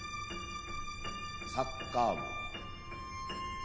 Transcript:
サッカー部。